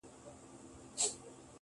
زما په سترگو كي را رسم كړي.